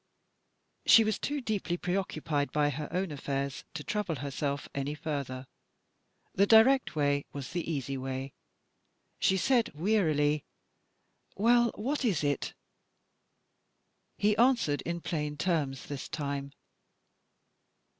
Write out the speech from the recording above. She was too deeply preoccupied by her own affairs to trouble herself any further. The direct way was the easy way. She said wearily, "Well, what is it?" He answered in plain terms, this time.